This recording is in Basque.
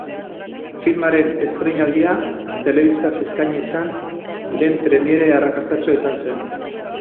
Filmaren estreinaldia, telebistaz eskaini zen lehen premiere arrakastatsua izan zen.